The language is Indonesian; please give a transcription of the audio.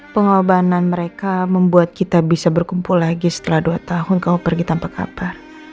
pengorbanan mereka membuat kita bisa berkumpul lagi setelah dua tahun kamu pergi tanpa kapar